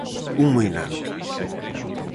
-Un moinante!